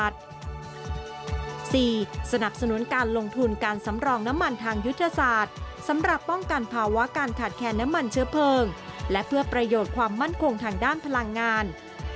สนับสนุนการลงทุนการสำรองน้ำมันทางยุทธศาสตร์สำหรับป้องกันภาวะการขาดแคนน้ำมันเชื้อเพลิงและเพื่อประโยชน์ความมั่นคงทางด้านพลังงาน